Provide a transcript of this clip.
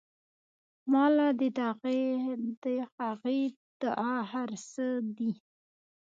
ما له د هغې دعا هر سه دي.